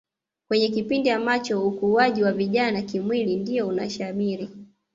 Kwenye kipindi ambacho ukuwaji wa vijana kimwili ndio unashamiri